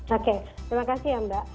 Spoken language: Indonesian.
oke terima kasih ya mbak